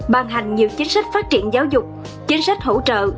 ban hành nhiều chính sách phát triển giáo dục chính sách hỗ trợ